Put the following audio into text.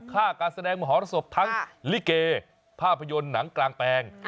ค่าการแสดงมหรสบทั้งลิเกภาพยนตร์หนังกลางแปลง